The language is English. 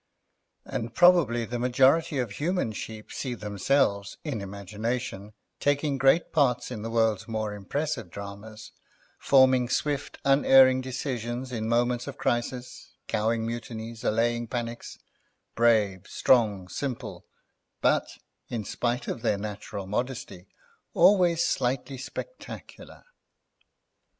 And probably the majority of human sheep see themselves in imagination taking great parts in the world's more impressive dramas, forming swift, unerring decisions in moments of crisis, cowing mutinies, allaying panics, brave, strong, simple, but, in spite of their natural modesty, always slightly spectacular.